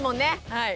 はい。